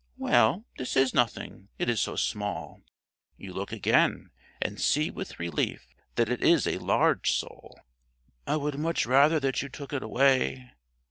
"Well, this is nothing, it is so small." You look again, and see with relief that it is a large sole. "I would much rather that you took it away."